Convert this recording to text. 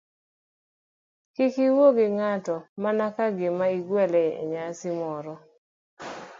Kik iwuo gi ng'ato mana ka gima igwele e nyasi moro.